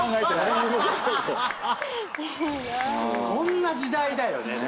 そんな時代だよね。